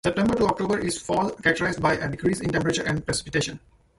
September to October is fall, characterized by a decrease in temperature and precipitation.